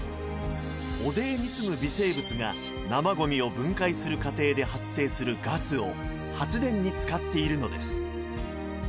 汚泥に住む微生物が生ごみを分解する過程で発生するガスを発電に使っているのです。